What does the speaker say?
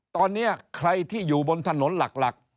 ตอนนี้ใครที่อยู่บนถนนหลัก